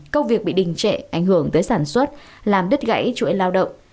công việc bị đình trệ ảnh hưởng tới sản xuất làm đứt gãy chuỗi lao động